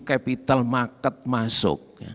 capital market masuk